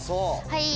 はい。